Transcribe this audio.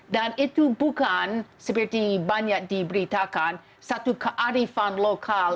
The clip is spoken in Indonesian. dan itu bukan seperti banyak diberitakan satu kearifan lokal